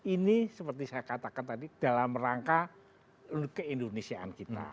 ini seperti saya katakan tadi dalam rangka keindonesiaan kita